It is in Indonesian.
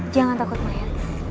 jangan takut maya